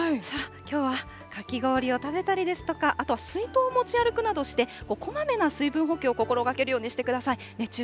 さあ、きょうはかき氷を食べたりですとか、あと、水筒を持ち歩くなどして、こまめな水分補給を心がけるようにしてください。